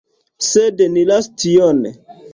Sed ni lasu tion!